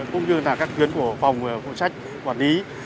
cũng như là các tuyến của phòng phụ trách quản lý